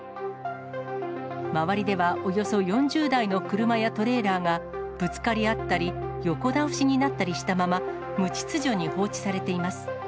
周りではおよそ４０台の車やトレーラーがぶつかり合ったり、横倒しになったりしたまま、無秩序に放置されています。